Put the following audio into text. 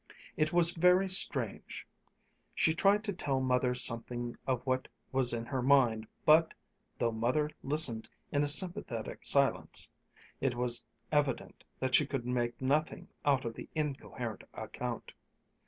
It was very strange. She tried to tell Mother something of what was in her mind, but, though Mother listened in a sympathetic silence, it was evident that she could make nothing out of the incoherent account.